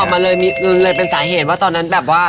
มันเลยเป็นสาเหตุว่าตอนนั้นแบบว่า